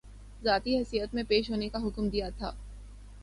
ذاتی حیثیت میں پیش ہونے کا حکم دیا تھا